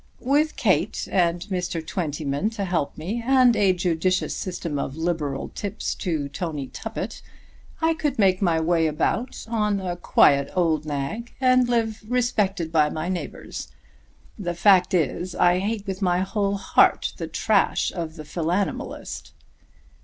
"With Kate and Mr. Twentyman to help me, and a judicious system of liberal tips to Tony Tuppett, I could make my way about on a quiet old nag, and live respected by my neighbours. The fact is I hate with my whole heart the trash of the philanimalist."